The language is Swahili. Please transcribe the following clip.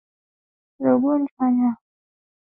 za ugonjwa wanyama waliokufa au mizoga na kinga